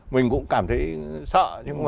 mình cũng cảm thấy sợ